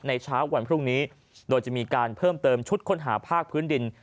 เช้าวันพรุ่งนี้โดยจะมีการเพิ่มเติมชุดค้นหาภาคพื้นดิน